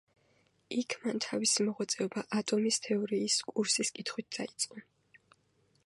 იქ მან თავისი მოღვაწეობა „ატომის თეორიის“ კურსის კითხვით დაიწყო.